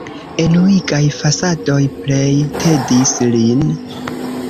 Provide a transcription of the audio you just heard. Enuigaj fasadoj plej tedis lin.